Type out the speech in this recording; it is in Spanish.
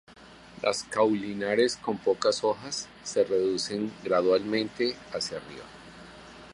Las caulinares con pocas hojas, se reducen gradualmente hacia arriba.